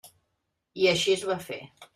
I així es va fer.